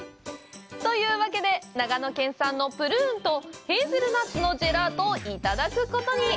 というわけで、長野県産のプルーンとヘーゼルナッツのジェラートをいただくことに。